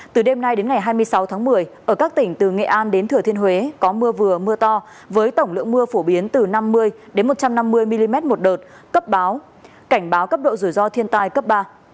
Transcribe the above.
từ đêm nay đến ngày hai mươi sáu tháng một mươi ở các tỉnh từ nghệ an đến thừa thiên huế có mưa vừa mưa to với tổng lượng mưa phổ biến từ năm mươi một trăm năm mươi mm một đợt cấp độ rủi ro thiên tai cấp ba